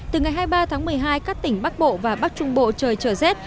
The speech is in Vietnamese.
từ ngày hai mươi ba tháng một mươi hai các tỉnh bắc bộ và bắc trung bộ trời trở rét